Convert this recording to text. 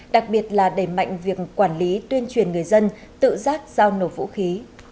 đặc biệt là đẩy mạnh việc quản lý tuyên truyền người dân tự giác giao nổ vũ khí